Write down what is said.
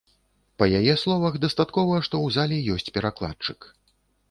Па яе словах, дастаткова, што ў зале ёсць перакладчык.